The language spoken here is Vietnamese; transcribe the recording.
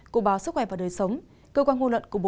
của báo sức khỏe và đời sống cơ quan ngôn luận của bộ y tế